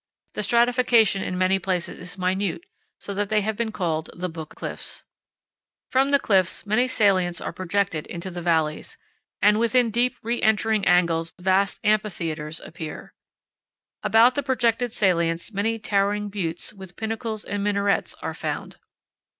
The stratification in many places is minute, so that they have been called the Book Cliffs. powell canyons 34.jpg GARDENS OF ZUÑI. From the cliffs many salients are projected into the valleys, and within deep re entering angles vast amphitheaters appear. About the projected salients many towering buttes, with pinnacles and minarets, are found.